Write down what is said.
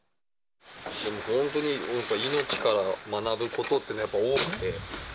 本当に命から学ぶことっていうのは、やっぱり多くて。